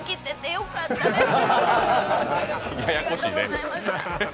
よかったですね。